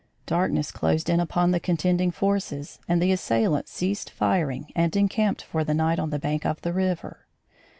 Darkness closed in upon the contending forces, and the assailants ceased firing and encamped for the night on the bank of the river.